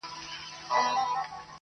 سو بېهوښه هغه دم يې زکندن سو؛